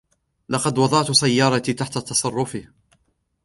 لقد وضعتُ سيارتي تحت تصرفه.